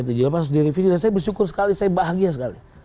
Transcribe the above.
harus direvisi saya bersyukur sekali saya bahagia sekali